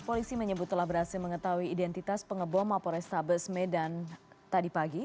polisi menyebut telah berhasil mengetahui identitas pengebom mapo restabes medan tadi pagi